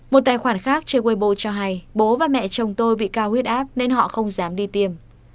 một tài khoản khác che waibo cho hay bố và mẹ chồng tôi bị cao huyết áp nên họ không dám đi tiêm